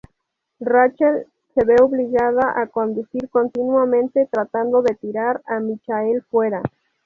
Rachel se ve obligada a conducir, continuamente tratando de tirar a Michael fuera.